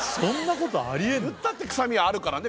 言ったって臭みあるからね